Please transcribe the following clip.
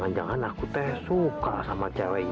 hal yang tidak disebutkan kasih heaven dan milik